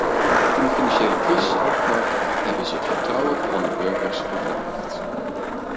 Toen de financiële crisis uitbrak, hebben ze het vertrouwen van de burgers gevraagd.